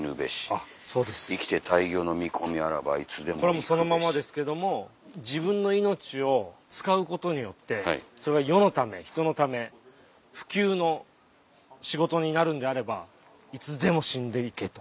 これはそのままですけども自分の命を使うことによってそれが世のため人のため不朽の仕事になるんであればいつでも死んでいけと。